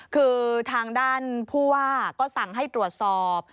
คือทางด้านผู้ว่าก็สั่งให้ตรวจสอบ